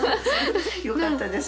よかったです。